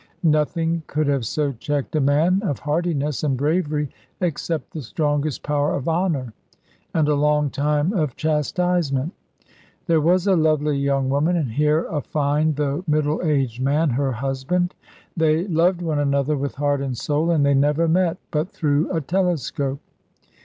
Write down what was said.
Nothing could have so checked a man of heartiness and bravery, except the strongest power of honour, and a long time of chastisement. There was a lovely young woman, and here a fine though middle aged man, her husband; they loved one another with heart and soul, and they never met, but through a telescope!